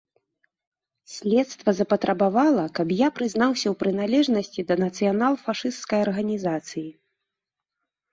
Следства запатрабавала, каб я прызнаўся ў прыналежнасці да нацыянал-фашысцкай арганізацыі.